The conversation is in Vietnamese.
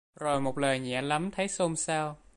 Rồi một lời nhẹ lắm thấy xôn xao